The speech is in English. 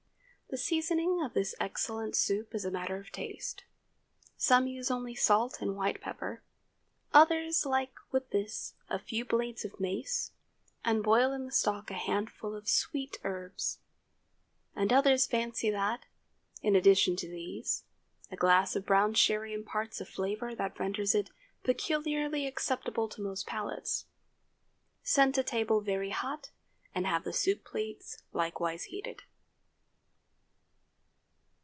The seasoning of this excellent soup is a matter of taste. Some use only salt and white pepper. Others like with this a few blades of mace, and boil in the stock a handful of sweet herbs. And others fancy that, in addition to these, a glass of brown sherry imparts a flavor that renders it peculiarly acceptable to most palates. Send to table very hot, and have the soup plates likewise heated.